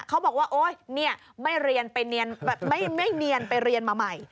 เขาบอกว่าโอ๊ยนี่ไม่เนียนไปเรียนมาใหม่